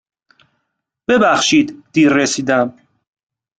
ببخشید دیر رسیدم.